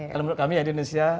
kalau menurut kami ya di indonesia